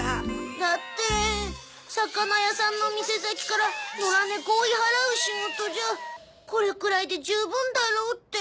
だって魚屋さんの店先から野良猫を追い払う仕事じゃこれくらいで十分だろうって。